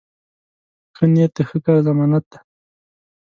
ښه نیت د ښه کار ضمانت دی.